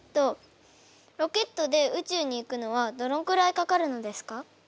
ロケットで宇宙に行くのはどのくらいかかるのですか？